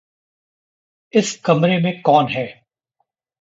इस कमरे में कौन है?